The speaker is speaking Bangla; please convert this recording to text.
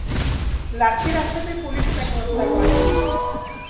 লাঠির আঘাতে পুলিস তাকে হত্যা করে।